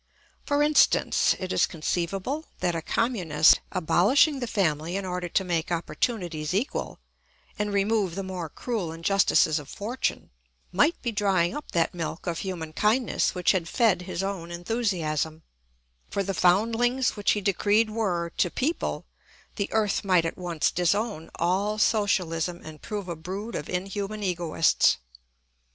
For instance, it is conceivable that a communist, abolishing the family in order to make opportunities equal and remove the more cruel injustices of fortune, might be drying up that milk of human kindness which had fed his own enthusiasm; for the foundlings which he decreed were to people the earth might at once disown all socialism and prove a brood of inhuman egoists.